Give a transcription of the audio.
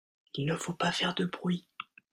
Il ne faut pas faire de bruit.